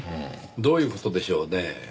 どういう事でしょうねぇ。